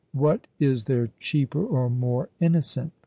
What is there cheaper, or more innocent?